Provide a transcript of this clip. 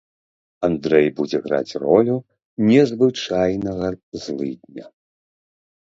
Андрэй будзе граць ролю незвычайнага злыдня.